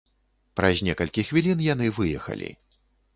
Праз некалькі хвілін яны выехалі.